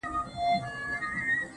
o و ذهن ته دي بيا د بنگړو شرنگ در اچوم.